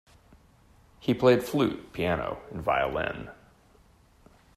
He played flute, piano, and violin.